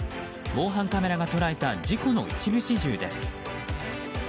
防犯カメラが捉えた事故の一部始終です。